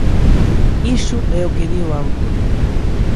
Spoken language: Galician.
Iso é o que di o auto.